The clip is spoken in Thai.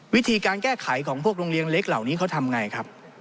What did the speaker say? วิธีการแก้ไขของพวกโรงเรียนเล็กเหล่านี้เขาทำไงครับ